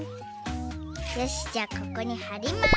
よしじゃあここにはります。